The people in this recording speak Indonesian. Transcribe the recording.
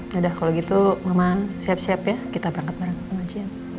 yaudah kalau gitu mama siap siap ya kita berangkat berangkat ke pengajian